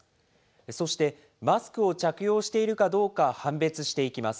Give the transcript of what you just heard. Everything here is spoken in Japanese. そしてマスクを着用しているかどうか、判別していきます。